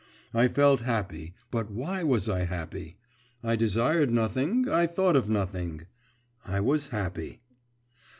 I felt happy.… But why was I happy? I desired nothing, I thought of nothing.… I was happy.